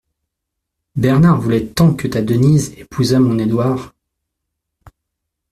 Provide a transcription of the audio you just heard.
Bernard voulait tant que ta Denise épousât mon Édouard.